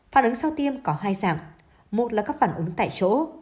phản ứng sau tiêm có hai giảm một là các phản ứng tại chỗ